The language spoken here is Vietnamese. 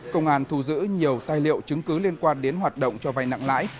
công an thu giữ nhiều tài liệu chứng cứ liên quan đến hoạt động cho vay nặng lãi